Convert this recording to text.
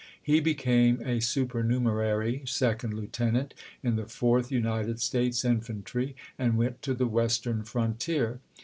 He became a supernumerary second lieutenant in the Fourth United States Infantry, and went to the Western frontier.